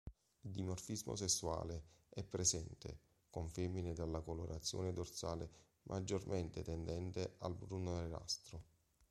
Il dimorfismo sessuale è presente, con femmine dalla colorazione dorsale maggiormente tendente al bruno-nerastro.